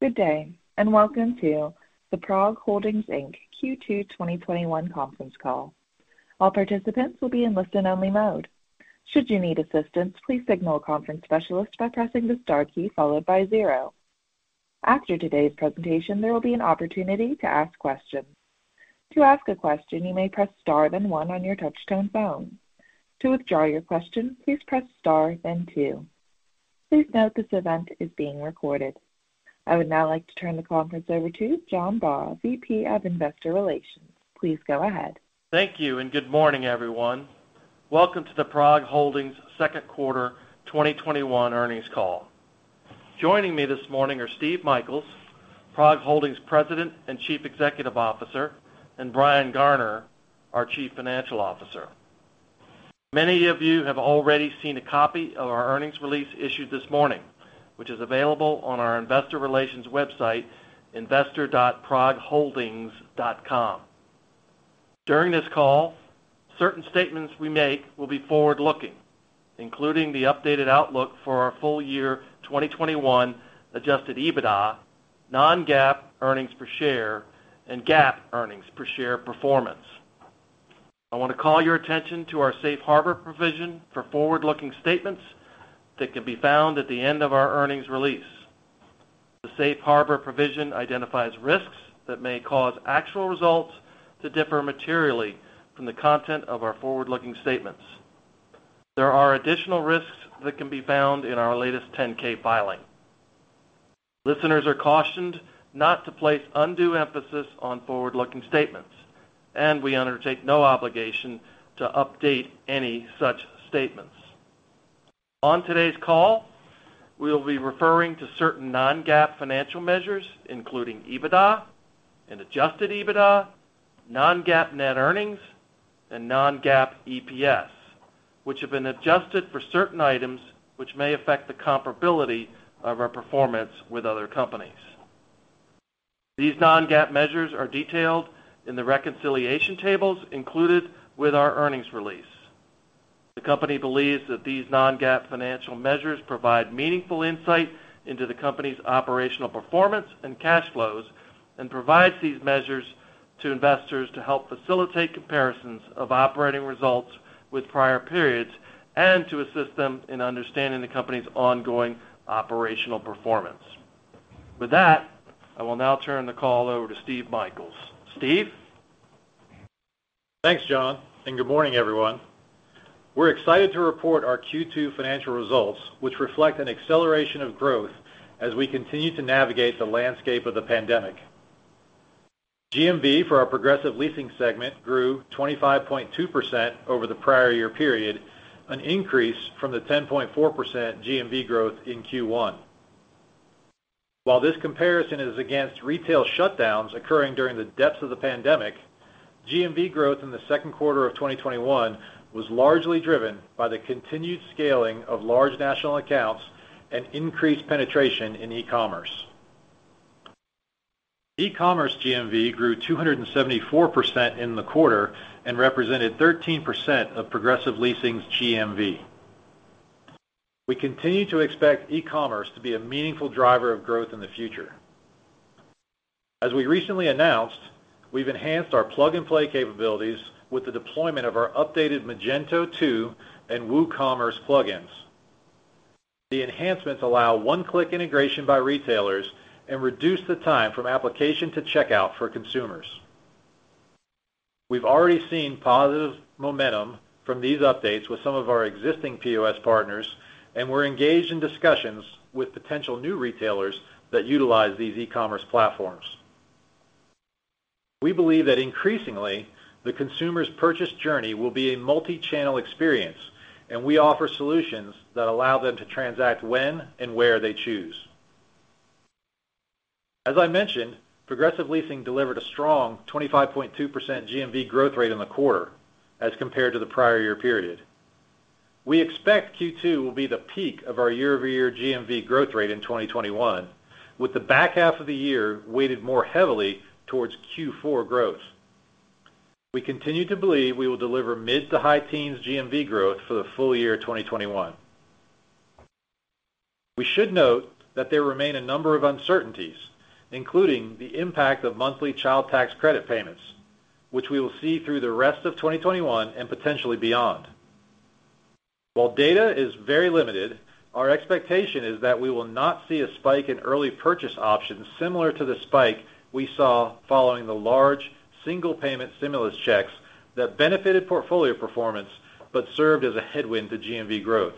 Good day, and welcome to the PROG Holdings, Inc. Q2 2021 conference call. All participants will be in listen only mode. Should you need assistance, please signal a conference specialist by pressing the star key followed by zero. After today's presentation, there will be an opportunity to ask questions. To ask a question, you may press star then one on your touch-tone phone. To withdraw your question, please press star then two. Please note this event is being recorded. I would now like to turn the conference over to John Baugh, VP of Investor Relations. Please go ahead. Thank you. Good morning, everyone. Welcome to the PROG Holdings second quarter 2021 earnings call. Joining me this morning are Steve Michaels, PROG Holdings President and Chief Executive Officer, and Brian Garner, our Chief Financial Officer. Many of you have already seen a copy of our earnings release issued this morning, which is available on our Investor Relations website, investors.progholdings.com. During this call, certain statements we make will be forward-looking, including the updated outlook for our full-year 2021 adjusted EBITDA, non-GAAP earnings per share, and GAAP earnings per share performance. I want to call your attention to our safe harbor provision for forward-looking statements that can be found at the end of our earnings release. There are additional risks that can be found in our latest 10-K filing. Listeners are cautioned not to place undue emphasis on forward-looking statements, and we undertake no obligation to update any such statements. On today's call, we will be referring to certain non-GAAP financial measures, including EBITDA and adjusted EBITDA, non-GAAP net earnings, and non-GAAP EPS, which have been adjusted for certain items which may affect the comparability of our performance with other companies. These non-GAAP measures are detailed in the reconciliation tables included with our earnings release. The company believes that these non-GAAP financial measures provide meaningful insight into the company's operational performance and cash flows, and provides these measures to investors to help facilitate comparisons of operating results with prior periods and to assist them in understanding the company's ongoing operational performance. With that, I will now turn the call over to Steve Michaels. Steve? Thanks, John, and good morning, everyone. We're excited to report our Q2 financial results, which reflect an acceleration of growth as we continue to navigate the landscape of the pandemic. GMV for our Progressive Leasing segment grew 25.2% over the prior year period, an increase from the 10.4% GMV growth in Q1. While this comparison is against retail shutdowns occurring during the depths of the pandemic, GMV growth in the second quarter of 2021 was largely driven by the continued scaling of large national accounts and increased penetration in e-commerce. E-commerce GMV grew 274% in the quarter and represented 13% of Progressive Leasing's GMV. We continue to expect e-commerce to be a meaningful driver of growth in the future. As we recently announced, we've enhanced our plug-and-play capabilities with the deployment of our updated Magento 2 and WooCommerce plugins. The enhancements allow one-click integration by retailers and reduce the time from application to checkout for consumers. We've already seen positive momentum from these updates with some of our existing POS partners, and we're engaged in discussions with potential new retailers that utilize these e-commerce platforms. We believe that increasingly, the consumer's purchase journey will be a multi-channel experience, and we offer solutions that allow them to transact when and where they choose. As I mentioned, Progressive Leasing delivered a strong 25.2% GMV growth rate in the quarter as compared to the prior year period. We expect Q2 will be the peak of our year-over-year GMV growth rate in 2021, with the back half of the year weighted more heavily towards Q4 growth. We continue to believe we will deliver mid to high teens GMV growth for the full-year 2021. We should note that there remain a number of uncertainties, including the impact of monthly Child Tax Credit payments, which we will see through the rest of 2021 and potentially beyond. While data is very limited, our expectation is that we will not see a spike in early purchase options similar to the spike we saw following the large single payment stimulus checks that benefited portfolio performance but served as a headwind to GMV growth.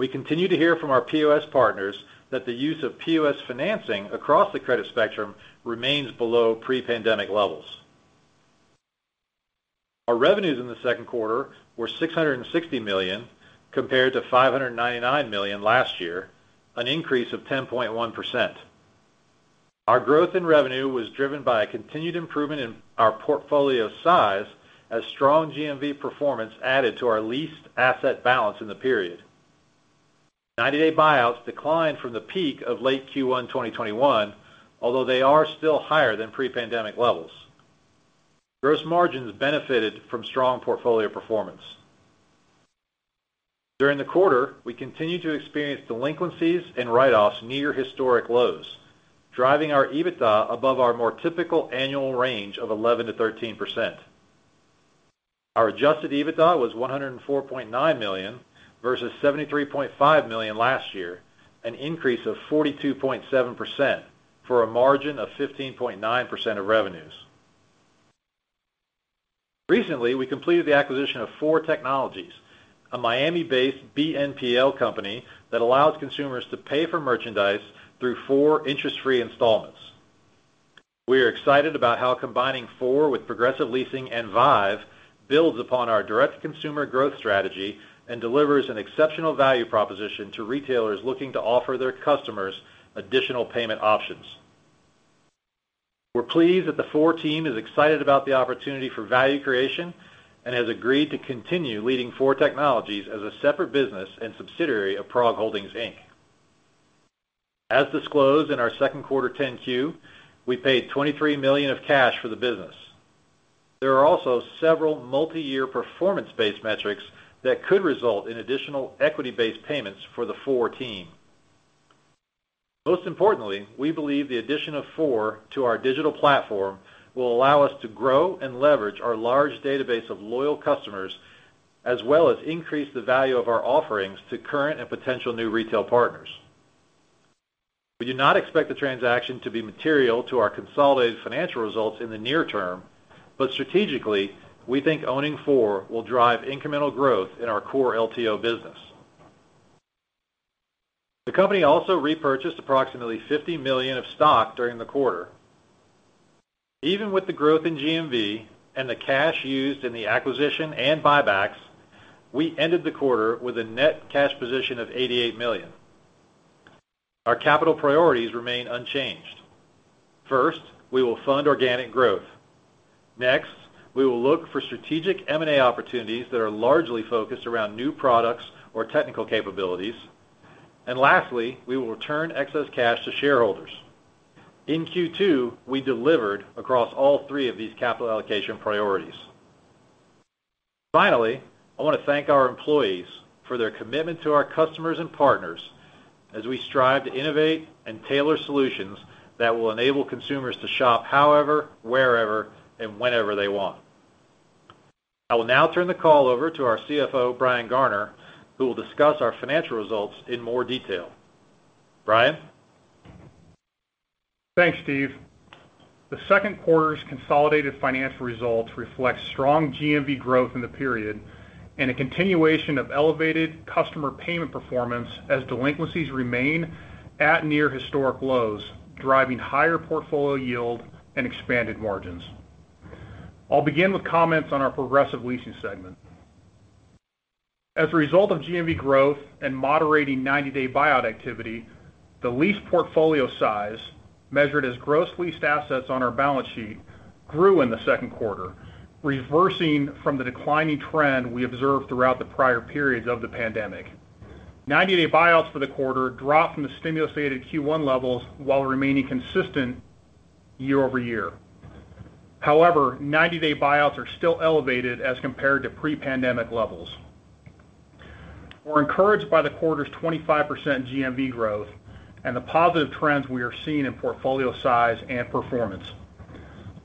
We continue to hear from our POS partners that the use of POS financing across the credit spectrum remains below pre-pandemic levels. Our revenues in the second quarter were $660 million, compared to $599 million last year, an increase of 10.1%. Our growth in revenue was driven by a continued improvement in our portfolio size as strong GMV performance added to our leased asset balance in the period. 90-day buyouts declined from the peak of late Q1 2021, although they are still higher than pre-pandemic levels. Gross margins benefited from strong portfolio performance. During the quarter, we continued to experience delinquencies and write-offs near historic lows, driving our EBITDA above our more typical annual range of 11%-13%. Our adjusted EBITDA was $104.9 million versus $73.5 million last year, an increase of 42.7%, for a margin of 15.9% of revenues. Recently, we completed the acquisition of Four Technologies, a Miami-based BNPL company that allows consumers to pay for merchandise through four interest-free installments. We are excited about how combining Four with Progressive Leasing and Vive builds upon our direct-to-consumer growth strategy and delivers an exceptional value proposition to retailers looking to offer their customers additional payment options. We're pleased that the Four team is excited about the opportunity for value creation and has agreed to continue leading Four Technologies as a separate business and subsidiary of PROG Holdings, Inc. As disclosed in our second quarter 10-Q, we paid $23 million of cash for the business. There are also several multiyear performance-based metrics that could result in additional equity-based payments for the Four team. Most importantly, we believe the addition of Four to our digital platform will allow us to grow and leverage our large database of loyal customers, as well as increase the value of our offerings to current and potential new retail partners. We do not expect the transaction to be material to our consolidated financial results in the near term, but strategically, we think owning Four will drive incremental growth in our core LTO business. The company also repurchased approximately $50 million of stock during the quarter. Even with the growth in GMV and the cash used in the acquisition and buybacks, we ended the quarter with a net cash position of $88 million. Our capital priorities remain unchanged. First, we will fund organic growth. Next, we will look for strategic M&A opportunities that are largely focused around new products or technical capabilities. Lastly, we will return excess cash to shareholders. In Q2, we delivered across all three of these capital allocation priorities. Finally, I want to thank our employees for their commitment to our customers and partners as we strive to innovate and tailor solutions that will enable consumers to shop however, wherever, and whenever they want. I will now turn the call over to our CFO, Brian Garner, who will discuss our financial results in more detail. Brian? Thanks, Steve. The second quarter's consolidated financial results reflect strong GMV growth in the period and a continuation of elevated customer payment performance as delinquencies remain at near historic lows, driving higher portfolio yield and expanded margins. I'll begin with comments on our Progressive Leasing segment. As a result of GMV growth and moderating 90-day buyout activity, the lease portfolio size, measured as gross leased assets on our balance sheet, grew in the second quarter, reversing from the declining trend we observed throughout the prior periods of the pandemic. 90-day buyouts for the quarter dropped from the stimulus-aided Q1 levels while remaining consistent year-over-year. However, 90-day buyouts are still elevated as compared to pre-pandemic levels. We're encouraged by the quarter's 25% GMV growth and the positive trends we are seeing in portfolio size and performance.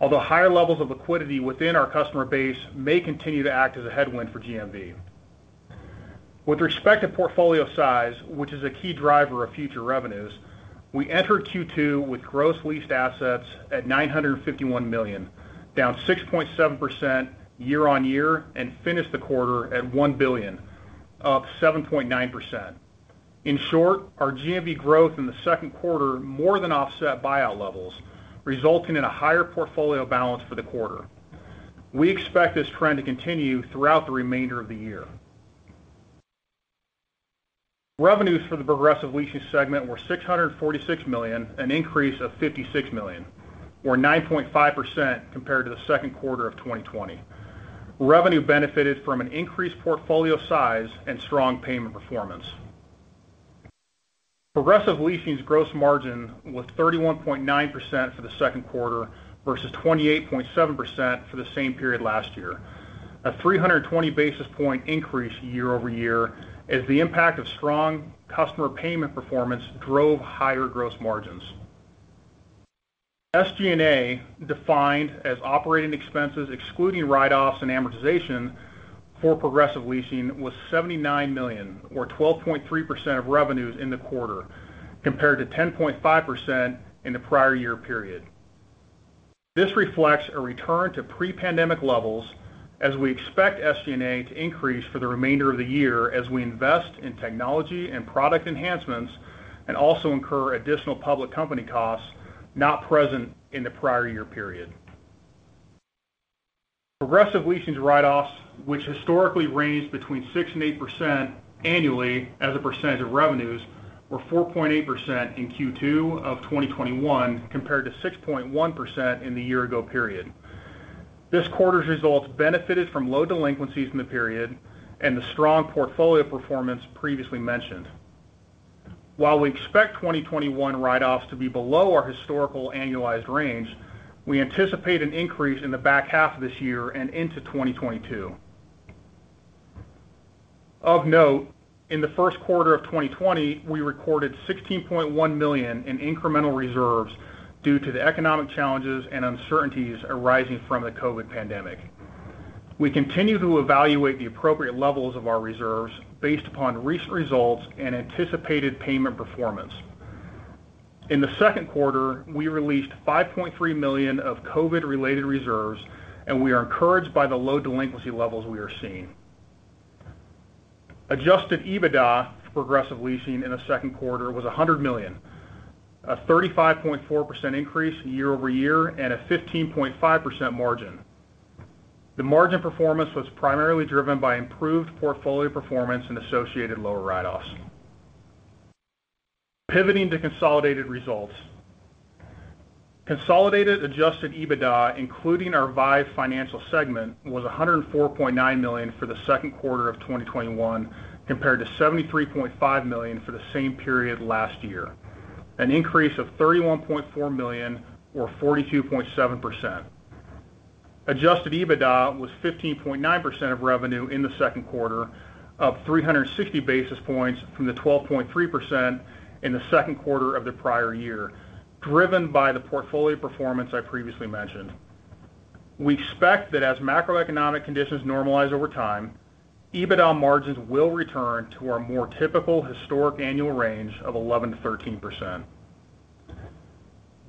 Higher levels of liquidity within our customer base may continue to act as a headwind for GMV. With respect to portfolio size, which is a key driver of future revenues, we entered Q2 with gross leased assets at $951 million, down 6.7% year-over-year, and finished the quarter at $1 billion, up 7.9%. In short, our GMV growth in the second quarter more than offset buyout levels, resulting in a higher portfolio balance for the quarter. We expect this trend to continue throughout the remainder of the year. Revenues for the Progressive Leasing segment were $646 million, an increase of $56 million, or 9.5% compared to the second quarter of 2020. Revenue benefited from an increased portfolio size and strong payment performance. Progressive Leasing's gross margin was 31.9% for the second quarter versus 28.7% for the same period last year, a 320 basis point increase year-over-year as the impact of strong customer payment performance drove higher gross margins. SG&A, defined as operating expenses excluding write-offs and amortization for Progressive Leasing, was $79 million, or 12.3% of revenues in the quarter, compared to 10.5% in the prior year period. This reflects a return to pre-pandemic levels as we expect SG&A to increase for the remainder of the year as we invest in technology and product enhancements and also incur additional public company costs not present in the prior year period. Progressive Leasing's write-offs, which historically ranged between 6% and 8% annually as a percentage of revenues, were 4.8% in Q2 of 2021 compared to 6.1% in the year ago period. This quarter's results benefited from low delinquencies in the period and the strong portfolio performance previously mentioned. While we expect 2021 write-offs to be below our historical annualized range, we anticipate an increase in the back half of this year and into 2022. Of note, in the first quarter of 2020, we recorded $16.1 million in incremental reserves due to the economic challenges and uncertainties arising from the COVID pandemic. We continue to evaluate the appropriate levels of our reserves based upon recent results and anticipated payment performance. In the second quarter, we released $5.3 million of COVID-related reserves, and we are encouraged by the low delinquency levels we are seeing. Adjusted EBITDA for Progressive Leasing in the second quarter was $100 million, a 35.4% increase year-over-year, and a 15.5% margin. The margin performance was primarily driven by improved portfolio performance and associated lower write-offs. Pivoting to consolidated results. Consolidated adjusted EBITDA, including our Vive Financial segment, was $104.9 million for the second quarter of 2021, compared to $73.5 million for the same period last year, an increase of $31.4 million or 42.7%. Adjusted EBITDA was 15.9% of revenue in the second quarter, up 360 basis points from the 12.3% in the second quarter of the prior year, driven by the portfolio performance I previously mentioned. We expect that as macroeconomic conditions normalize over time, EBITDA margins will return to our more typical historic annual range of 11%-13%.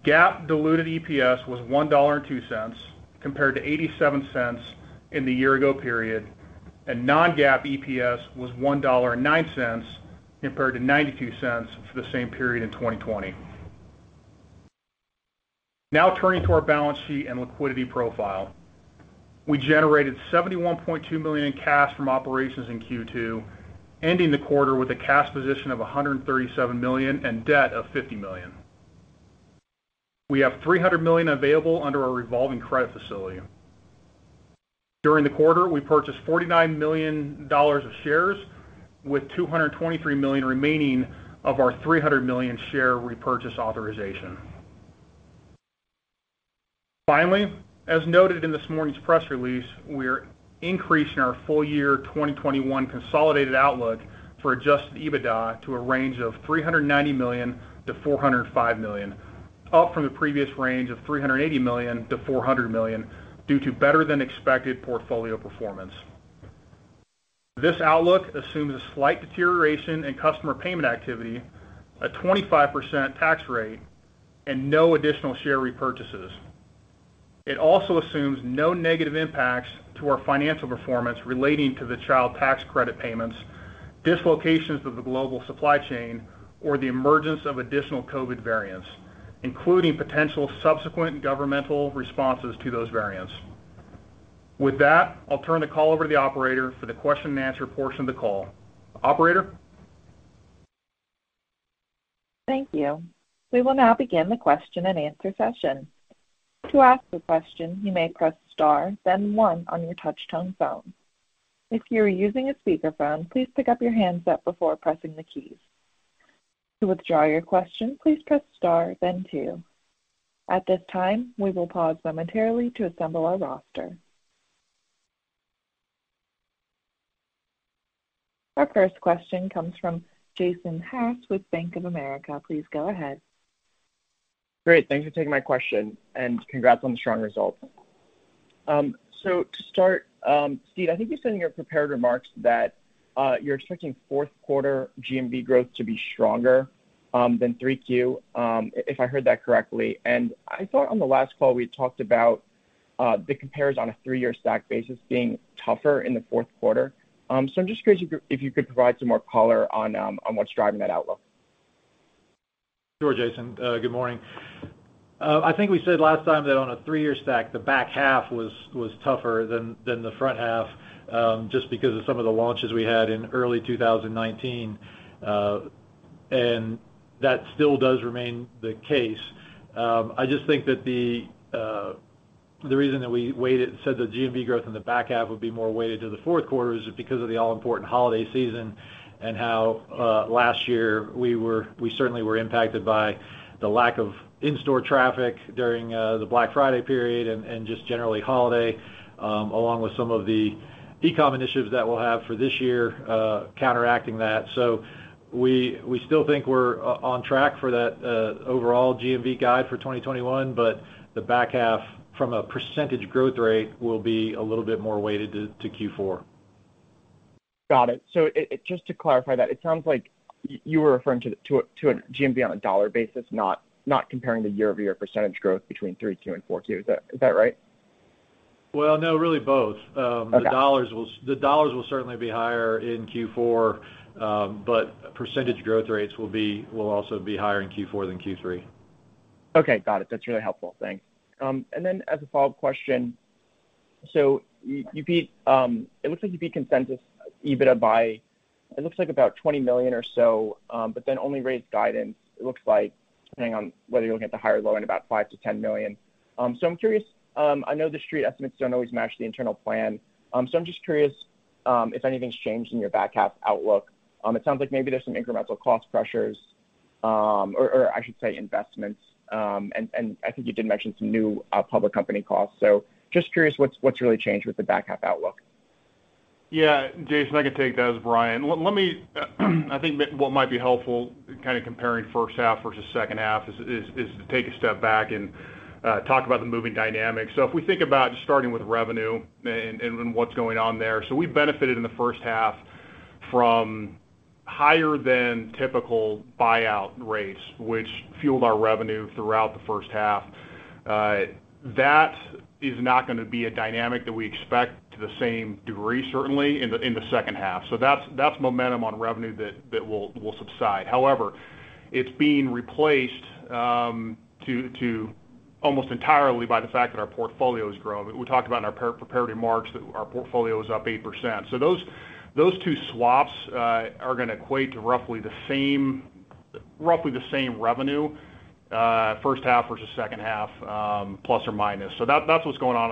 GAAP diluted EPS was $1.02 compared to $0.87 in the year ago period, and non-GAAP EPS was $1.09 compared to $0.92 for the same period in 2020. Now turning to our balance sheet and liquidity profile. We generated $71.2 million in cash from operations in Q2, ending the quarter with a cash position of $137 million and debt of $50 million. We have $300 million available under our revolving credit facility. During the quarter, we purchased $49 million of shares with $223 million remaining of our $300 million share repurchase authorization. As noted in this morning's press release, we are increasing our full-year 2021 consolidated outlook for adjusted EBITDA to a range of $390 million-$405 million, up from the previous range of $380 million-$400 million due to better than expected portfolio performance. This outlook assumes a slight deterioration in customer payment activity, a 25% tax rate, and no additional share repurchases. It also assumes no negative impacts to our financial performance relating to the Child Tax Credit payments, dislocations of the global supply chain, or the emergence of additional COVID variants, including potential subsequent governmental responses to those variants. With that, I'll turn the call over to the operator for the question and answer portion of the call. Operator? Our first question comes from Jason Haas with Bank of America. Please go ahead. Great. Thanks for taking my question and congrats on the strong results. To start, Steve, I think you said in your prepared remarks that you're expecting fourth quarter GMV growth to be stronger than 3Q, if I heard that correctly. I thought on the last call we had talked about the compares on a three-year stack basis being tougher in the fourth quarter. I'm just curious if you could provide some more color on what's driving that outlook. Sure, Jason. Good morning. I think we said last time that on a three-year stack, the back half was tougher than the front half, just because of some of the launches we had in early 2019. That still does remain the case. I just think that the reason that we said the GMV growth in the back half would be more weighted to the fourth quarter is because of the all-important holiday season and how, last year, we certainly were impacted by the lack of in-store traffic during the Black Friday period and just generally holiday, along with some of the e-com initiatives that we'll have for this year counteracting that. We still think we're on track for that overall GMV guide for 2021, but the back half from a percentage growth rate will be a little bit more weighted to Q4. Got it. Just to clarify that, it sounds like you were referring to a GMV on a dollar basis, not comparing the year-over-year percentage growth between Q3 and Q4. Is that right? Well, no, really both. Okay. The dollars will certainly be higher in Q4, but percentage growth rates will also be higher in Q4 than Q3. Okay. Got it. That's really helpful. Thanks. As a follow-up question, it looks like you beat consensus EBITDA by, it looks like about $20 million or so, but then only raised guidance, it looks like, depending on whether you're looking at the high or low end, about $5 million-$10 million. I'm curious, I know the Street estimates don't always match the internal plan, I'm just curious if anything's changed in your back-half outlook. It sounds like maybe there's some incremental cost pressures, or I should say investments. I think you did mention some new public company costs. Just curious, what's really changed with the back-half outlook? Jason, I can take that as Brian. I think what might be helpful, kind of comparing first half versus second half is to take a step back and talk about the moving dynamics. If we think about just starting with revenue and what's going on there, we benefited in the first half from higher than typical buyout rates, which fueled our revenue throughout the first half. That is not going to be a dynamic that we expect to the same degree, certainly, in the second half. That's momentum on revenue that will subside. It's being replaced almost entirely by the fact that our portfolio is growing. We talked about in our prepared remarks that our portfolio is up 8%. Those two swaps are going to equate to roughly the same revenue, first half versus second half, plus or minus. That's what's going on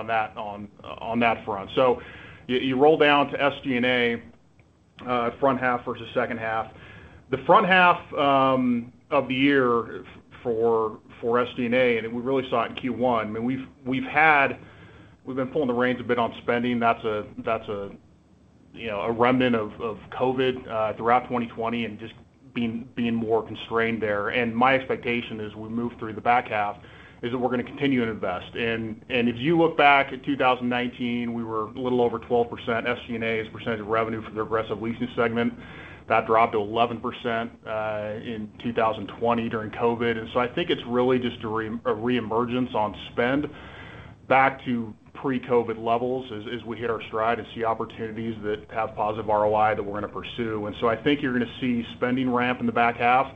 on that front. You roll down to SG&A, front half versus second half. The front half of the year for SG&A, and we really saw it in Q1, we've been pulling the reins a bit on spending. That's a remnant of COVID throughout 2020 and just being more constrained there. My expectation as we move through the back half is that we're going to continue to invest. If you look back at 2019, we were a little over 12% SG&A as a percentage of revenue for the Progressive Leasing segment. That dropped to 11% in 2020 during COVID. I think it's really just a re-emergence on spend back to pre-COVID levels as we hit our stride and see opportunities that have positive ROI that we're going to pursue. I think you're going to see spending ramp in the back half.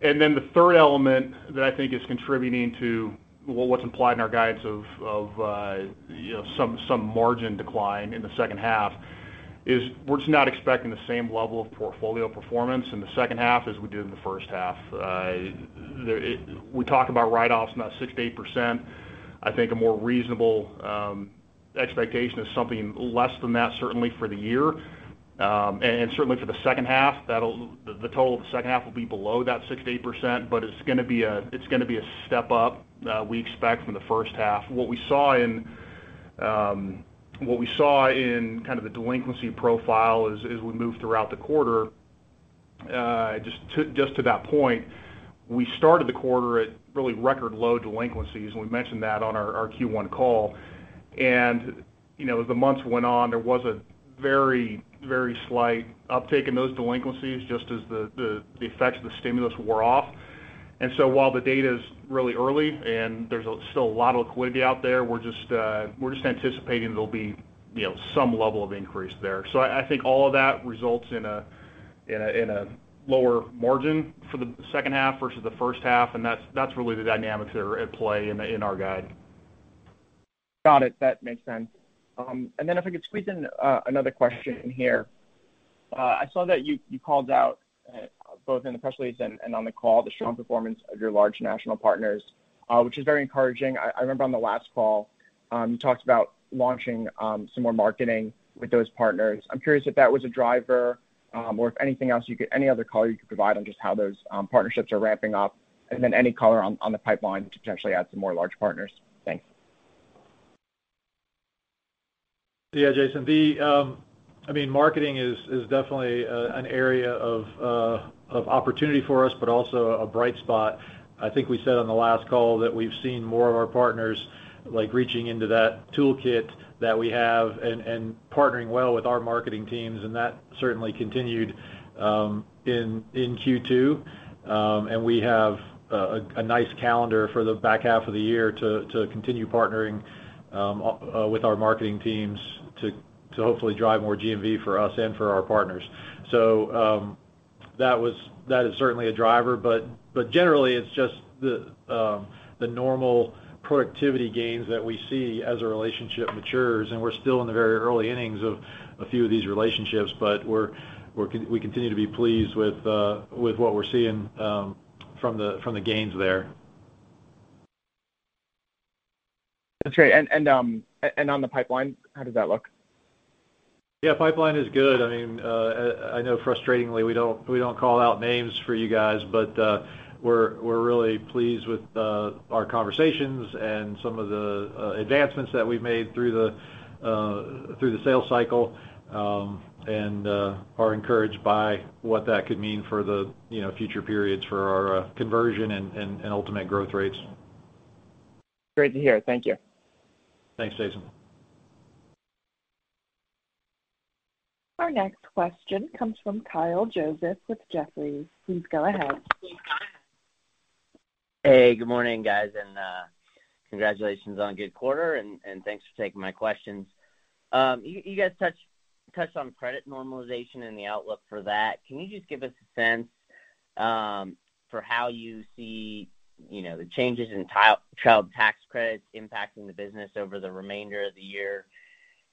The third element that I think is contributing to what's implied in our guidance of some margin decline in the second half is we're just not expecting the same level of portfolio performance in the second half as we did in the first half. We talk about write-offs about 6%-8%. I think a more reasonable expectation is something less than that, certainly for the year. Certainly for the second half, the total of the second half will be below that 6%-8%, but it's going to be a step up, we expect, from the first half. What we saw in the delinquency profile as we move throughout the quarter, just to that point, we started the quarter at really record low delinquencies, and we mentioned that on our Q1 call. As the months went on, there was a very slight uptick in those delinquencies, just as the effects of the stimulus wore off. While the data is really early and there's still a lot of liquidity out there, we're just anticipating there'll be some level of increase there. I think all of that results in a lower margin for the second half versus the first half, and that's really the dynamics that are at play in our guide. Got it. That makes sense. If I could squeeze in another question here. I saw that you called out, both in the press release and on the call, the strong performance of your large national partners, which is very encouraging. I remember on the last call, you talked about launching some more marketing with those partners. I'm curious if that was a driver or if any other color you could provide on just how those partnerships are ramping up, any color on the pipeline to potentially add some more large partners. Thanks. Yeah, Jason. Marketing is definitely an area of opportunity for us, but also a bright spot. I think we said on the last call that we've seen more of our partners reaching into that toolkit that we have and partnering well with our marketing teams, and that certainly continued in Q2. We have a nice calendar for the back half of the year to continue partnering with our marketing teams to hopefully drive more GMV for us and for our partners. That is certainly a driver, but generally, it's just the normal productivity gains that we see as a relationship matures, and we're still in the very early innings of a few of these relationships, but we continue to be pleased with what we're seeing from the gains there. That's great. On the pipeline, how does that look? Yeah, pipeline is good. I know frustratingly, we don't call out names for you guys, but we're really pleased with our conversations and some of the advancements that we've made through the sales cycle, and are encouraged by what that could mean for the future periods for our conversion and ultimate growth rates. Great to hear. Thank you. Thanks, Jason. Our next question comes from Kyle Joseph with Jefferies. Please go ahead. Hey. Good morning, guys, and congratulations on a good quarter, and thanks for taking my questions. You guys touched on credit normalization and the outlook for that. Can you just give us a sense for how you see the changes in Child Tax Credits impacting the business over the remainder of the year?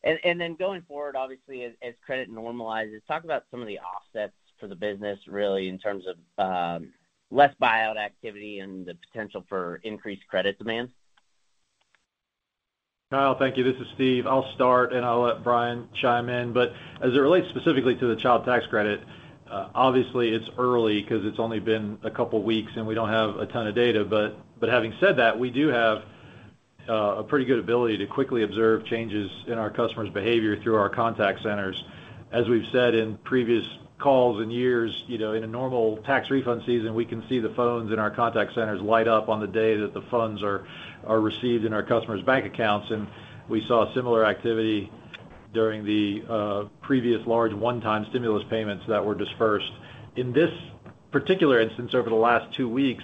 Then going forward, obviously, as credit normalizes, talk about some of the offsets for the business, really, in terms of less buyout activity and the potential for increased credit demand. Kyle, thank you. This is Steve. I'll start, and I'll let Brian chime in. As it relates specifically to the Child Tax Credit, obviously it's early because it's only been a couple of weeks, and we don't have a ton of data. Having said that, we do have a pretty good ability to quickly observe changes in our customers' behavior through our contact centers. As we've said in previous calls and years, in a normal tax refund season, we can see the phones in our contact centers light up on the day that the funds are received in our customers' bank accounts. We saw similar activity during the previous large one-time stimulus payments that were dispersed. In this particular instance, over the last two weeks,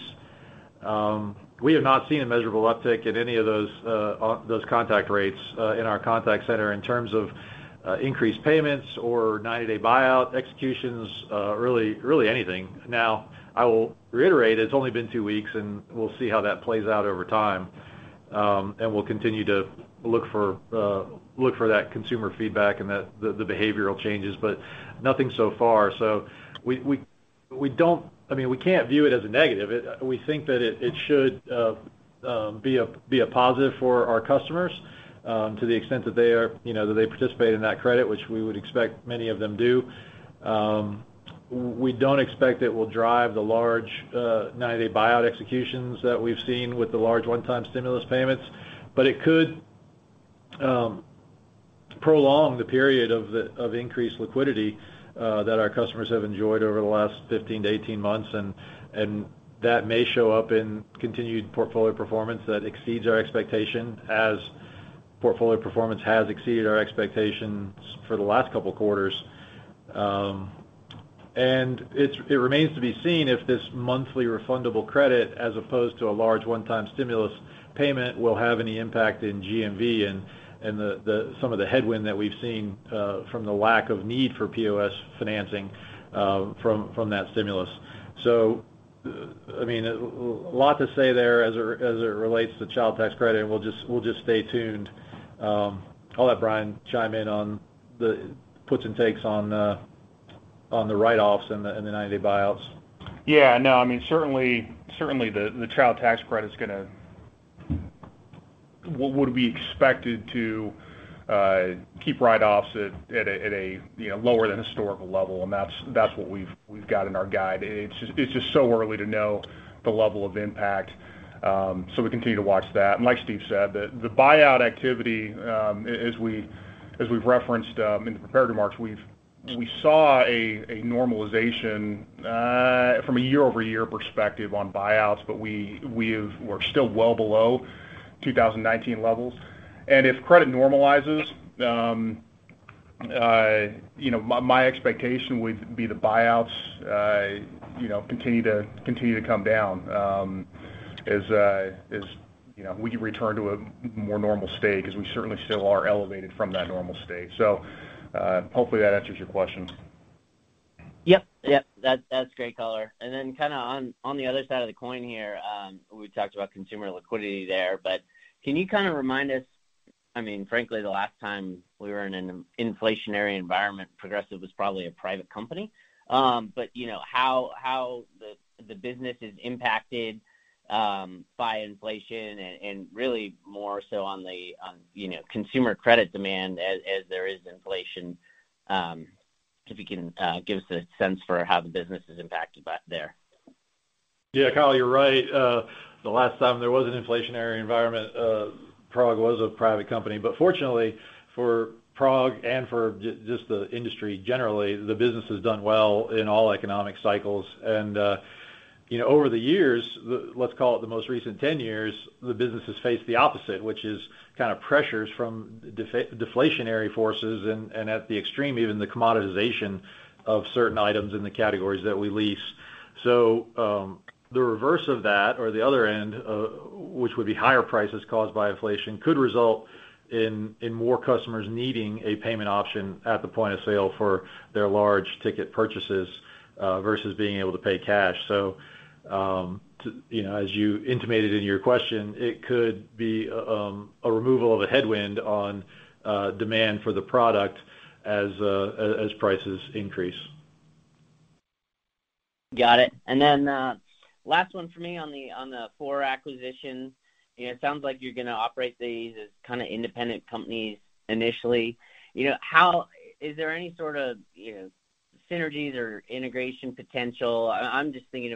we have not seen a measurable uptick in any of those contact rates in our contact center in terms of increased payments or 90-day buyout executions, really anything. I will reiterate, it's only been two weeks, and we'll see how that plays out over time. We'll continue to look for that consumer feedback and the behavioral changes, but nothing so far. We can't view it as a negative. We think that it should be a positive for our customers to the extent that they participate in that credit, which we would expect many of them do. We don't expect it will drive the large 90-day buyout executions that we've seen with the large one-time stimulus payments. It could prolong the period of increased liquidity that our customers have enjoyed over the last 15-18 months, and that may show up in continued portfolio performance that exceeds our expectation as portfolio performance has exceeded our expectations for the last couple of quarters. It remains to be seen if this monthly refundable credit, as opposed to a large one-time stimulus payment, will have any impact in GMV and some of the headwind that we've seen from the lack of need for POS financing from that stimulus. A lot to say there as it relates to Child Tax Credit, and we'll just stay tuned. I'll let Brian chime in on the puts and takes on the write-offs and the 90-day buyouts. No, certainly the Child Tax Credit would be expected to keep write-offs at a lower than historical level, and that's what we've got in our guide. It's just so early to know the level of impact, we continue to watch that. Like Steve said, the buyout activity as we've referenced in the prepared remarks, we saw a normalization from a year-over-year perspective on buyouts, but we're still well below 2019 levels. If credit normalizes, my expectation would be the buyouts continue to come down as we return to a more normal state, because we certainly still are elevated from that normal state. Hopefully that answers your question. Yep. That's great color. On the other side of the coin here, we talked about consumer liquidity there. Can you kind of remind us, frankly, the last time we were in an inflationary Progressive Leasing was probably a private company. How the business is impacted by inflation and really more so on the consumer credit demand as there is inflation, if you can give us a sense for how the business is impacted by there. Yeah, Kyle, you're right. The last time there was an inflationary environment, PROG was a private company. Fortunately for PROG and for just the industry generally, the business has done well in all economic cycles. Over the years, let's call it the most recent 10 years, the business has faced the opposite, which is kind of pressures from deflationary forces and at the extreme, even the commoditization of certain items in the categories that we lease. The reverse of that or the other end, which would be higher prices caused by inflation, could result in more customers needing a payment option at the point of sale for their large ticket purchases versus being able to pay cash. As you intimated in your question, it could be a removal of a headwind on demand for the product as prices increase. Got it. Last one for me on the Four acquisition. It sounds like you're going to operate these as kind of independent companies initially. Is there any sort of synergies or integration potential? I'm just thinking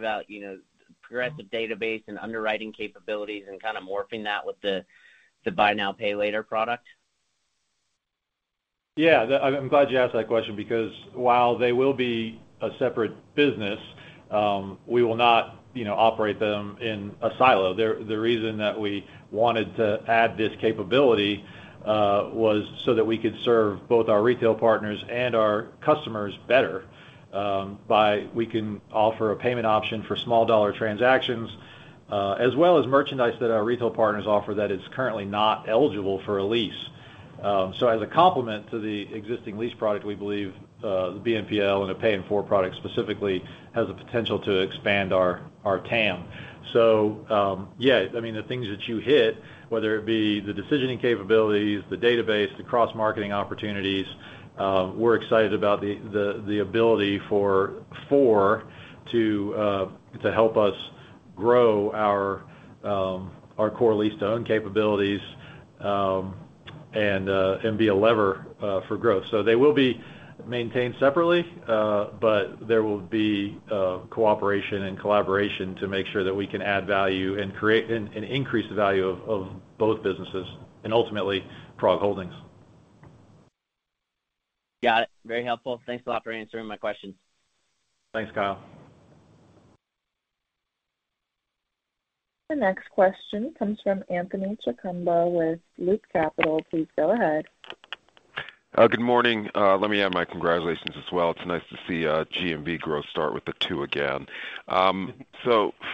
Progressive Leasing database and underwriting capabilities and kind of morphing that with the Buy Now, Pay Later product. I'm glad you asked that question because while they will be a separate business, we will not operate them in a silo. The reason that we wanted to add this capability was so that we could serve both our retail partners and our customers better by we can offer a payment option for small dollar transactions as well as merchandise that our retail partners offer that is currently not eligible for a lease. As a complement to the existing lease product, we believe the BNPL and the Pay in 4 product specifically has the potential to expand our TAM. The things that you hit, whether it be the decisioning capabilities, the database, the cross-marketing opportunities, we're excited about the ability for Four to help us grow our core lease-to-own capabilities and be a lever for growth. They will be maintained separately, but there will be cooperation and collaboration to make sure that we can add value and increase the value of both businesses, and ultimately, PROG Holdings. Got it. Very helpful. Thanks a lot for answering my questions. Thanks, Kyle. The next question comes from Anthony Chukumba with Loop Capital. Please go ahead. Good morning. Let me add my congratulations as well. It's nice to see GMV growth start with the two again.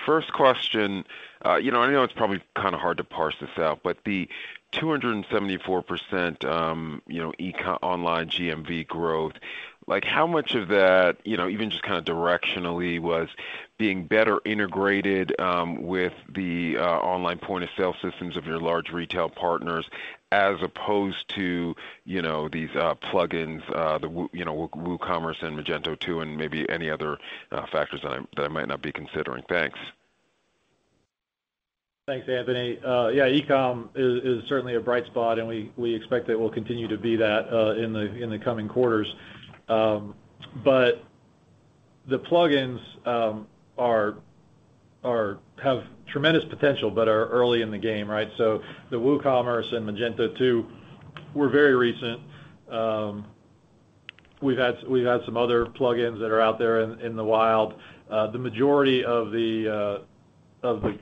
First question, I know it's probably hard to parse this out, but the 274% e-com online GMV growth, how much of that, even just directionally, was being better integrated with the online point-of-sale systems of your large retail partners as opposed to these plug-ins, the WooCommerce and Magento 2, and maybe any other factors that I might not be considering? Thanks. Thanks, Anthony. Yeah, e-com is certainly a bright spot, and we expect that it will continue to be that in the coming quarters. The plug-ins have tremendous potential, but are early in the game, right? The WooCommerce and Magento 2 were very recent. We've had some other plug-ins that are out there in the wild. The majority of the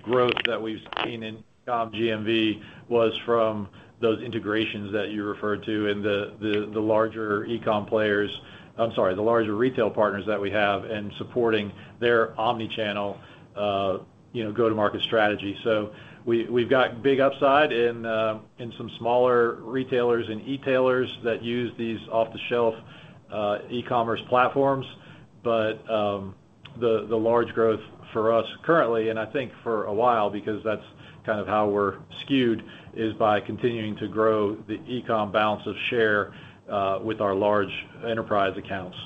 growth that we've seen in e-com GMV was from those integrations that you referred to in the larger retail partners that we have and supporting their omni-channel go-to-market strategy. We've got big upside in some smaller retailers and e-tailers that use these off-the-shelf e-commerce platforms. The large growth for us currently, and I think for a while, because that's how we're skewed, is by continuing to grow the e-com balance of share with our large enterprise accounts.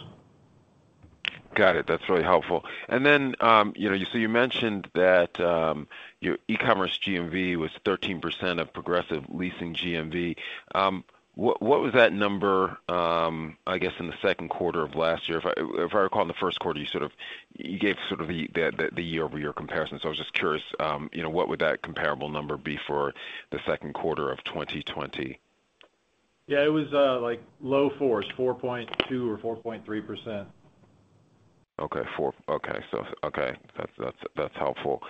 Got it. That's really helpful. You mentioned that your e-commerce GMV was 13% of Progressive Leasing GMV. What was that number, I guess, in the second quarter of last year? If I recall, in the first quarter, you gave the year-over-year comparison. I was just curious, what would that comparable number be for the second quarter of 2020? Yeah, it was low fours, 4.2% or 4.3%. Okay. That's helpful.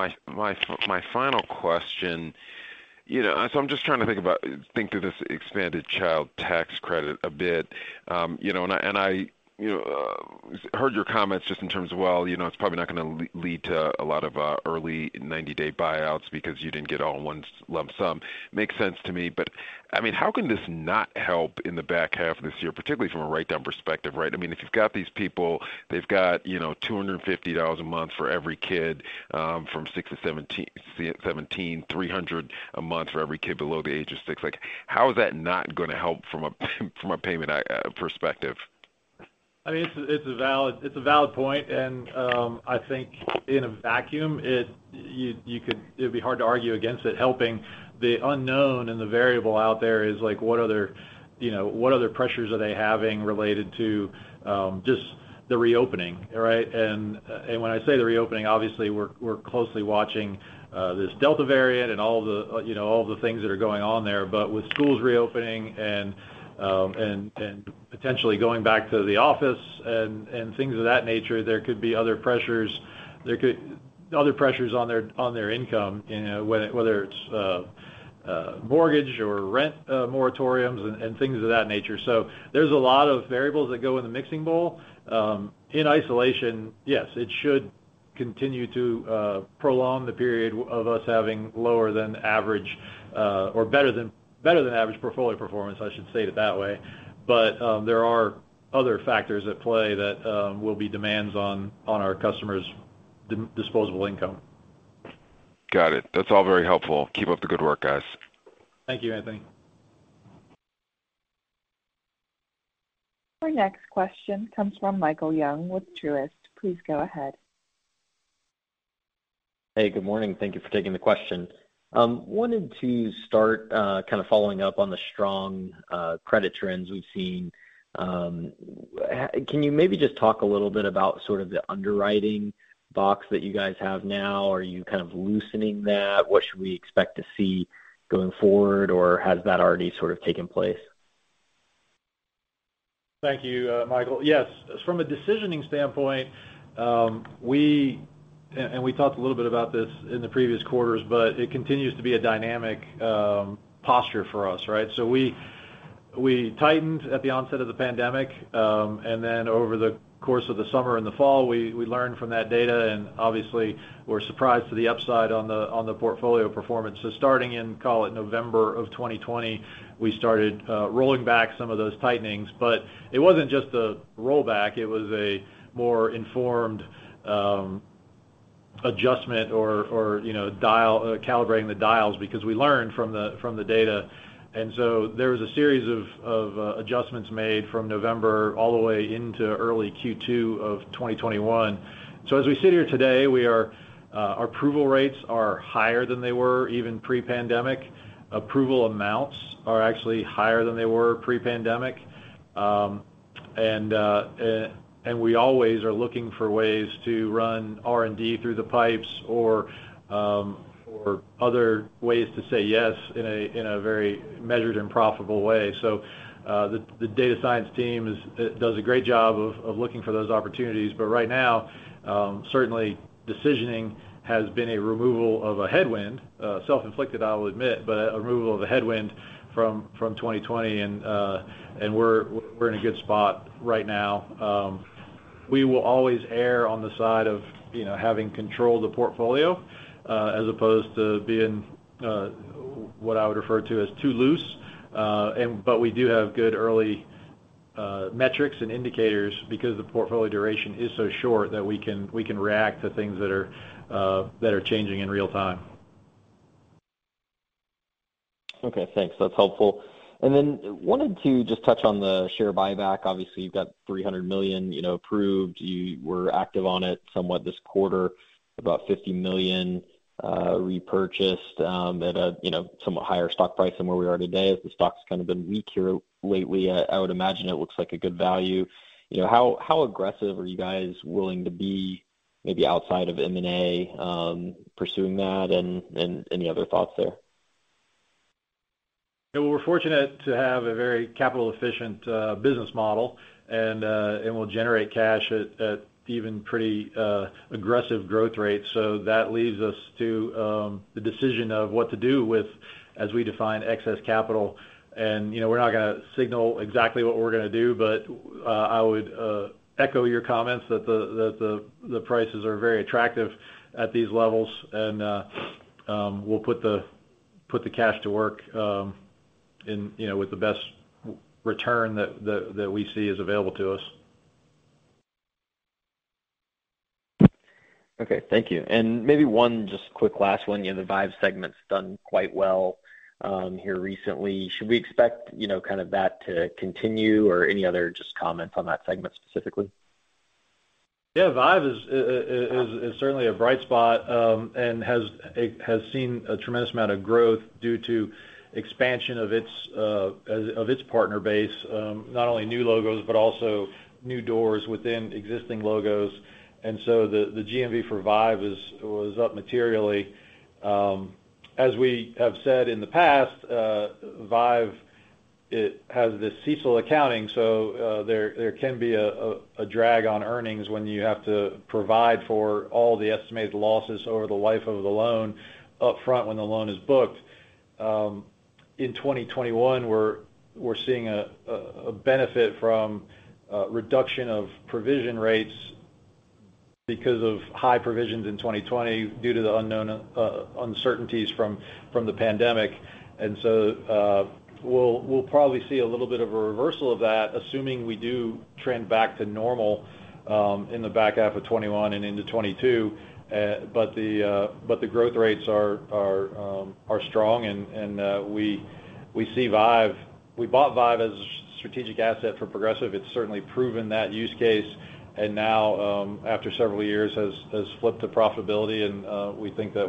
My final question, I'm just trying to think through this expanded Child Tax Credit a bit. I heard your comments just in terms of, "Well, it's probably not going to lead to a lot of early 90-day buyouts because you didn't get all in one lump sum." Makes sense to me, how can this not help in the back half of this year, particularly from a write-down perspective, right? If you've got these people, they've got $250 a month for every kid from 6-17, $300 a month for every kid below the age of six. How is that not going to help from a payment perspective? It's a valid point, and I think in a vacuum, it'd be hard to argue against it helping. The unknown and the variable out there is what other pressures are they having related to just the reopening, right? When I say the reopening, obviously, we're closely watching this Delta variant and all of the things that are going on there. With schools reopening and potentially going back to the office and things of that nature, there could be other pressures on their income, whether it's mortgage or rent moratoriums and things of that nature. There's a lot of variables that go in the mixing bowl. In isolation, yes, it should continue to prolong the period of us having lower than average or better than average portfolio performance, I should state it that way. There are other factors at play that will be demands on our customers' disposable income. Got it. That's all very helpful. Keep up the good work, guys. Thank you, Anthony. Our next question comes from Michael Young with Truist. Please go ahead. Hey, good morning. Thank you for taking the question. I wanted to start following up on the strong credit trends we've seen. Can you maybe just talk a little bit about sort of the underwriting box that you guys have now? Are you kind of loosening that? What should we expect to see going forward, or has that already taken place? Thank you, Michael. Yes. From a decisioning standpoint, we talked a little bit about this in the previous quarters, it continues to be a dynamic posture for us, right? We tightened at the onset of the pandemic, over the course of the summer and the fall, we learned from that data, obviously, were surprised to the upside on the portfolio performance. Starting in, call it November of 2020, we started rolling back some of those tightenings. It wasn't just a rollback, it was a more informed adjustment or calibrating the dials because we learned from the data. There was a series of adjustments made from November all the way into early Q2 of 2021. As we sit here today, our approval rates are higher than they were even pre-pandemic. Approval amounts are actually higher than they were pre-pandemic. We always are looking for ways to run R&D through the pipes or other ways to say yes in a very measured and profitable way. The data science team does a great job of looking for those opportunities. Right now, certainly decisioning has been a removal of a headwind, self-inflicted, I'll admit, but a removal of a headwind from 2020, and we're in a good spot right now. We will always err on the side of having control of the portfolio, as opposed to being, what I would refer to as too loose. We do have good early metrics and indicators because the portfolio duration is so short that we can react to things that are changing in real time. Okay, thanks. That's helpful. Wanted to just touch on the share buyback. Obviously, you've got $300 million approved. You were active on it somewhat this quarter, about $50 million repurchased at a somewhat higher stock price than where we are today, as the stock's kind of been weak here lately. I would imagine it looks like a good value. How aggressive are you guys willing to be maybe outside of M&A, pursuing that, and any other thoughts there? We're fortunate to have a very capital-efficient business model, and we'll generate cash at even pretty aggressive growth rates. That leaves us to the decision of what to do with, as we define excess capital. We're not going to signal exactly what we're going to do, but I would echo your comments that the prices are very attractive at these levels, and we'll put the cash to work with the best return that we see is available to us. Okay, thank you. Maybe one just quick last one. The Vive segment's done quite well here recently. Should we expect that to continue or any other just comments on that segment specifically? Yeah, Vive is certainly a bright spot, and has seen a tremendous amount of growth due to expansion of its partner base, not only new logos, but also new doors within existing logos. The GMV for Vive was up materially. As we have said in the past, Vive, it has this CECL accounting, so there can be a drag on earnings when you have to provide for all the estimated losses over the life of the loan up front when the loan is booked. In 2021, we're seeing a benefit from a reduction of provision rates because of high provisions in 2020 due to the uncertainties from the pandemic. We'll probably see a little bit of a reversal of that, assuming we do trend back to normal, in the back half of 2021 and into 2022. The growth rates are strong, and we bought Vive as a strategic asset Progressive Leasing. it's certainly proven that use case, and now, after several years, has flipped to profitability. We think that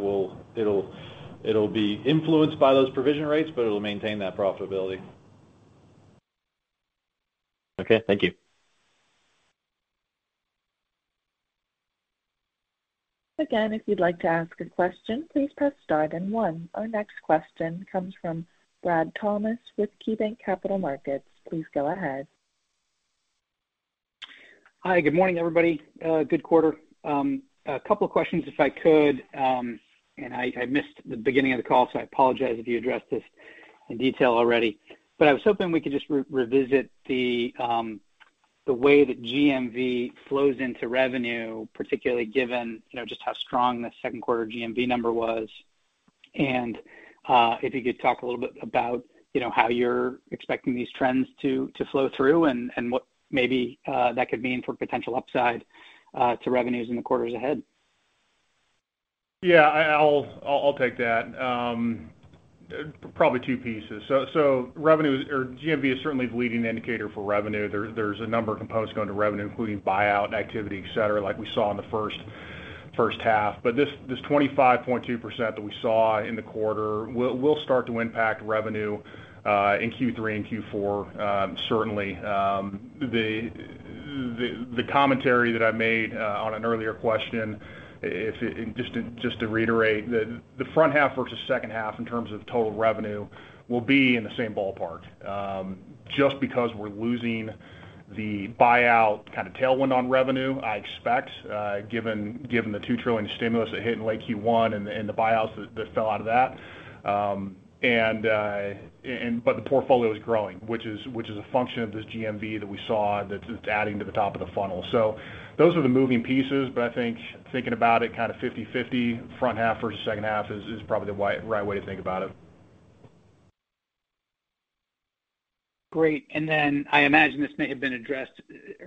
it'll be influenced by those provision rates, but it'll maintain that profitability. Okay, thank you. Again, if you'd like to ask a question, please press star then one. Our next question comes from Brad Thomas with KeyBanc Capital Markets. Please go ahead. Hi. Good morning, everybody. Good quarter. A couple of questions, if I could. I missed the beginning of the call, so I apologize if you addressed this in detail already. I was hoping we could just revisit the way that GMV flows into revenue, particularly given just how strong the second quarter GMV number was. If you could talk a little bit about how you're expecting these trends to flow through and what maybe that could mean for potential upside to revenues in the quarters ahead. Yeah, I'll take that. Probably two pieces. GMV is certainly the leading indicator for revenue. There's a number of components going to revenue, including buyout and activity, et cetera, like we saw in the first half. This 25.2% that we saw in the quarter will start to impact revenue in Q3 and Q4 certainly. The commentary that I made on an earlier question, just to reiterate, the front half versus second half in terms of total revenue will be in the same ballpark. Just because we're losing the buyout kind of tailwind on revenue, I expect, given the $2 trillion in stimulus that hit in late Q1 and the buyouts that fell out of that. The portfolio is growing, which is a function of this GMV that we saw that's adding to the top of the funnel. Those are the moving pieces, but I think thinking about it kind of 50/50 front half versus second half is probably the right way to think about it. Great. Then I imagine this may have been addressed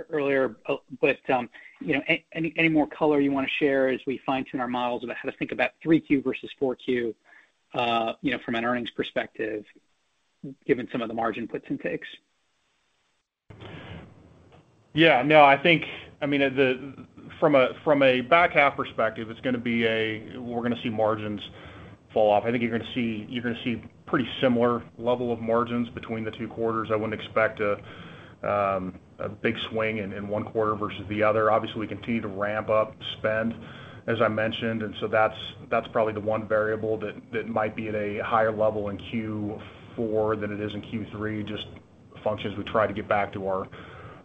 earlier, but any more color you want to share as we fine-tune our models about how to think about 3Q versus 4Q, from an earnings perspective, given some of the margin puts and takes? Yeah, no, I think from a back half perspective, we're going to see margins fall off. I think you're going to see pretty similar level of margins between the two quarters. I wouldn't expect a big swing in one quarter versus the other. Obviously, we continue to ramp up spend, as I mentioned. That's probably the one variable that might be at a higher level in Q4 than it is in Q3, just functions we try to get back to our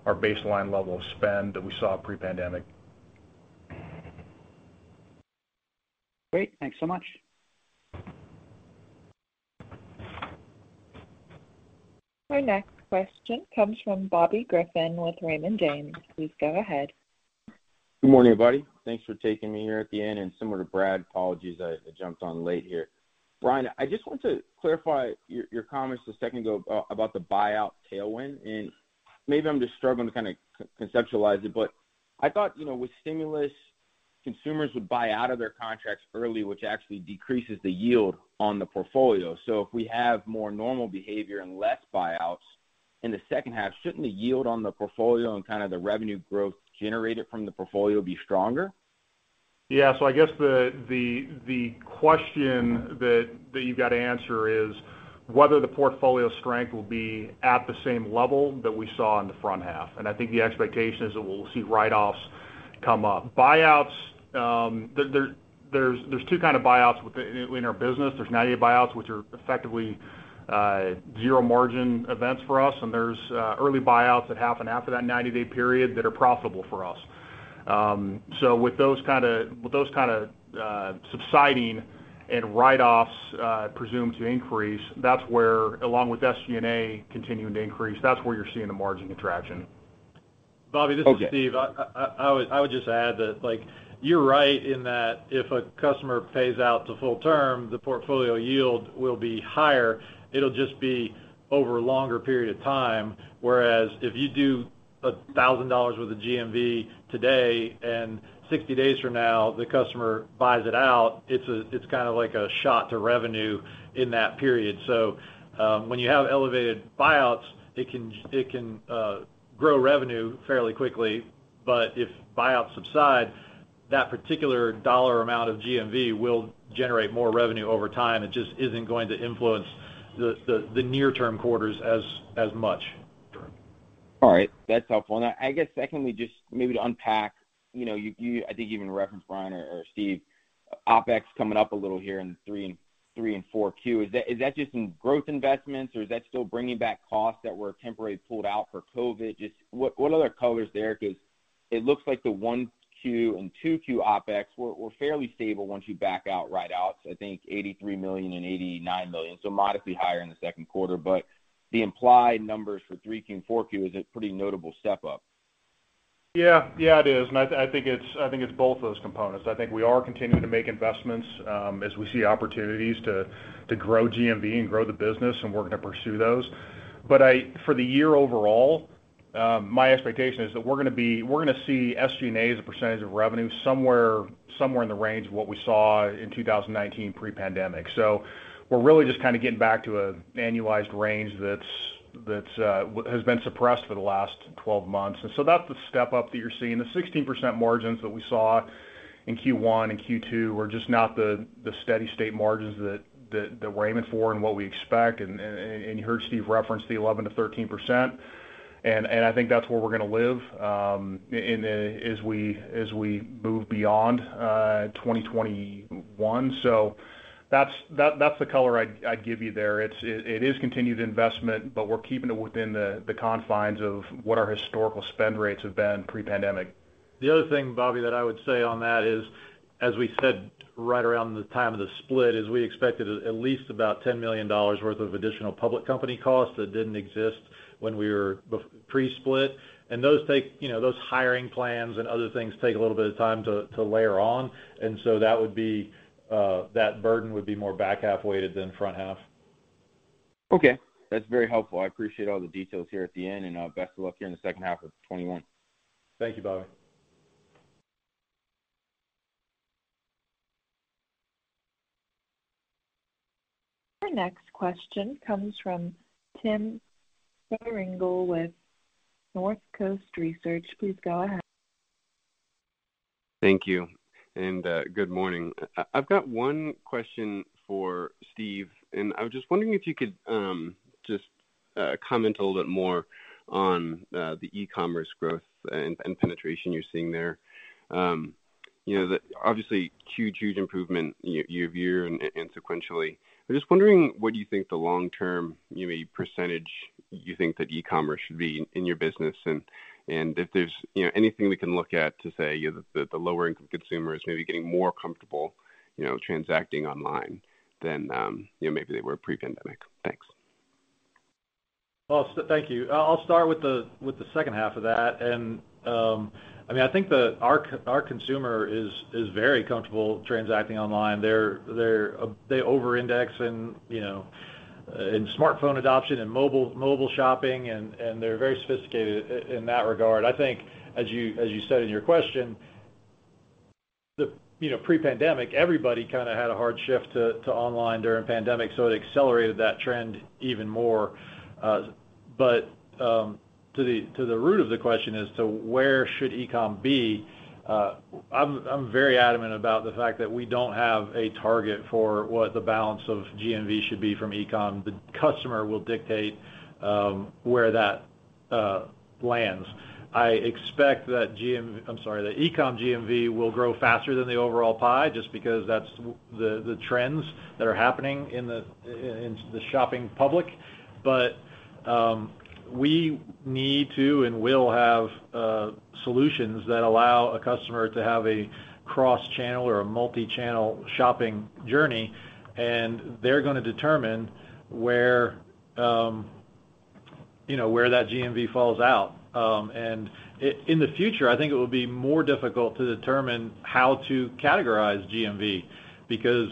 baseline level of spend that we saw pre-pandemic. Great. Thanks so much. Our next question comes from Bobby Griffin with Raymond James. Please go ahead. Good morning, everybody. Thanks for taking me here at the end. Similar to Brad, apologies, I jumped on late here. Brian, I just want to clarify your comments a second ago about the buyout tailwind, maybe I'm just struggling to kind of conceptualize it, but I thought with stimulus, consumers would buy out of their contracts early, which actually decreases the yield on the portfolio. If we have more normal behavior and less buyouts in the second half, shouldn't the yield on the portfolio and kind of the revenue growth generated from the portfolio be stronger? Yeah. I guess the question that you've got to answer is whether the portfolio strength will be at the same level that we saw in the front half. I think the expectation is that we'll see write-offs come up. There's two kinds of buyouts in our business. There's 90-day buyouts, which are effectively zero margin events for us, and there's early buyouts that happen after that 90-day period that are profitable for us. With those kind of subsiding and write-offs presumed to increase, that's where, along with SG&A continuing to increase, that's where you're seeing the margin contraction. Okay. Bobby, this is Steve. I would just add that you're right in that if a customer pays out to full term, the portfolio yield will be higher. It'll just be over a longer period of time. If you do $1,000 worth of GMV today and 60 days from now, the customer buys it out, it's kind of like a shot to revenue in that period. When you have elevated buyouts, it can grow revenue fairly quickly, but if buyouts subside, that particular dollar amount of GMV will generate more revenue over time. It just isn't going to influence the near-term quarters as much. All right. That's helpful. I guess secondly, just maybe to unpack, I think you even referenced Brian or Steve, OpEx coming up a little here in 3Q and 4Q. Is that just in growth investments or is that still bringing back costs that were temporarily pulled out for COVID? Just what are the colors there? It looks like the 1Q and 2Q OpEx were fairly stable once you back out write-offs. I think $83 million and $89 million, so modestly higher in the second quarter, but the implied numbers for 3Q and 4Q is a pretty notable step up. Yeah, it is. I think it's both those components. I think we are continuing to make investments as we see opportunities to grow GMV and grow the business, and we're going to pursue those. For the year overall, my expectation is that we're going to see SG&A as a percentage of revenue somewhere in the range of what we saw in 2019 pre-pandemic. We're really just kind of getting back to an annualized range that has been suppressed for the last 12 months. That's the step up that you're seeing. The 16% margins that we saw in Q1 and Q2 were just not the steady state margins that we're aiming for and what we expect. You heard Steve reference the 11%-13%, and I think that's where we're going to live as we move beyond 2021. That's the color I'd give you there. It is continued investment, but we're keeping it within the confines of what our historical spend rates have been pre-pandemic. The other thing, Bobby, that I would say on that is, as we said right around the time of the split, is we expected at least about $10 million worth of additional public company costs that didn't exist when we were pre-split. Those hiring plans and other things take a little bit of time to layer on. That burden would be more back half weighted than front half. Okay. That's very helpful. I appreciate all the details here at the end, and best of luck here in the second half of 2021. Thank you, Bobby. Our next question comes from Tim Vierengel with Northcoast Research. Please go ahead. Thank you, and good morning. I've got one question for Steve, and I was just wondering if you could just comment a little bit more on the e-commerce growth and penetration you're seeing there. Obviously huge improvement year-over-year and sequentially. I'm just wondering, what do you think the long-term percentage you think that e-commerce should be in your business? If there's anything we can look at to say that the lower-income consumer is maybe getting more comfortable transacting online than maybe they were pre-pandemic. Thanks. Well, thank you. I'll start with the second half of that. I think our consumer is very comfortable transacting online. They over-index in smartphone adoption and mobile shopping, and they're very sophisticated in that regard. I think as you said in your question, pre-pandemic, everybody kind of had a hard shift to online during pandemic, so it accelerated that trend even more. To the root of the question as to where should e-com be, I'm very adamant about the fact that we don't have a target for what the balance of GMV should be from e-com. The customer will dictate where that lands. I expect that the e-com GMV will grow faster than the overall pie just because that's the trends that are happening in the shopping public. We need to and will have solutions that allow a customer to have a cross-channel or a multi-channel shopping journey, and they're going to determine where that GMV falls out. In the future, I think it will be more difficult to determine how to categorize GMV because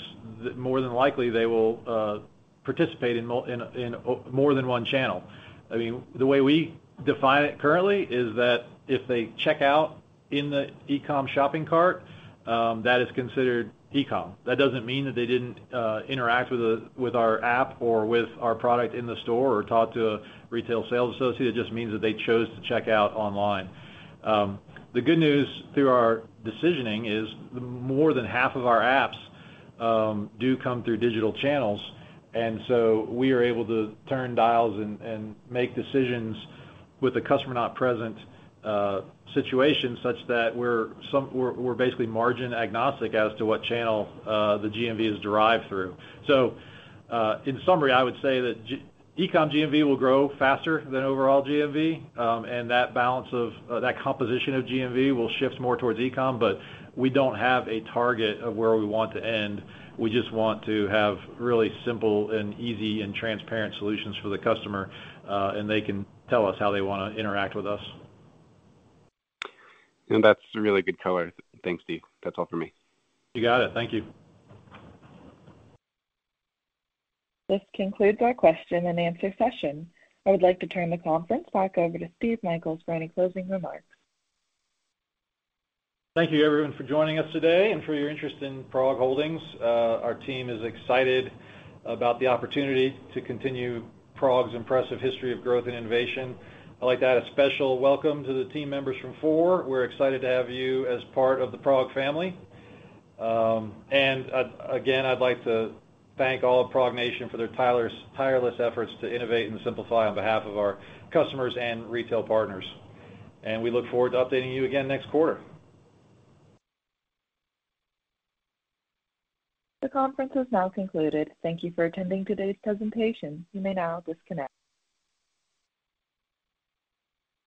more than likely they will participate in more than one channel. The way we define it currently is that if they check out in the e-com shopping cart, that is considered e-com. That doesn't mean that they didn't interact with our app or with our product in the store or talk to a retail sales associate, it just means that they chose to check out online. The good news through our decisioning is more than half of our apps do come through digital channels, we are able to turn dials and make decisions with a customer not present situation such that we're basically margin agnostic as to what channel the GMV is derived through. In summary, I would say that e-com GMV will grow faster than overall GMV. That balance of that composition of GMV will shift more towards e-com, we don't have a target of where we want to end. We just want to have really simple and easy and transparent solutions for the customer, they can tell us how they want to interact with us. That's a really good color. Thanks, Steve. That's all for me. You got it. Thank you. This concludes our question and answer session. I would like to turn the conference back over to Steve Michaels for any closing remarks. Thank you everyone for joining us today and for your interest in PROG Holdings. Our team is excited about the opportunity to continue PROG's impressive history of growth and innovation. I'd like to add a special welcome to the team members from Four. We're excited to have you as part of the PROG family. Again, I'd like to thank all of PROG Nation for their tireless efforts to innovate and simplify on behalf of our customers and retail partners. We look forward to updating you again next quarter. The conference has now concluded. Thank you for attending today's presentation. You may now disconnect.